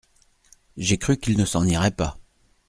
J’ai cru qu’il ne s’en irait pas.